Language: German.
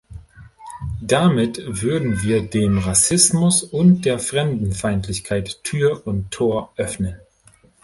Damit würden wir dem Rassismus und der Fremdenfeindlichkeit Tür und Tor öffnen.